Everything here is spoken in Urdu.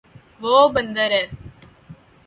وہ بندر ہے